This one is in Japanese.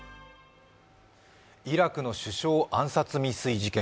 イラクの首相暗殺未遂事件。